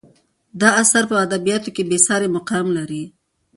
دا اثر په ادبیاتو کې بې سارې مقام لري.